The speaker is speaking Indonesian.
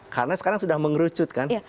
karena sekarang sudah mengerucut kan